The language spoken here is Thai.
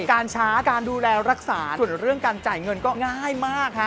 การช้าการดูแลรักษาส่วนเรื่องการจ่ายเงินก็ง่ายมากฮะ